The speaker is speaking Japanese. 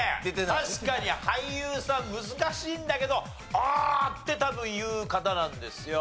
確かに俳優さん難しいんだけどああって多分言う方なんですよ。